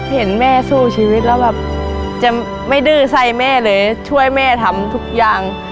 เห็นแม่สู้ชีวิตแล้วแบบจะไม่ดื้อใส่แม่เลยช่วยแม่ทำทุกอย่าง